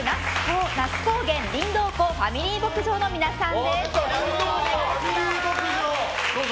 那須高原りんどう湖ファミリー牧場の皆さんです。